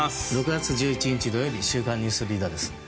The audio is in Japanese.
６月１１日、土曜日「週刊ニュースリーダー」です。